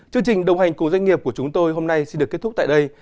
chương trình đồng hành cùng doanh nghiệp của chúng tôi hôm nay xin được kết thúc tại đây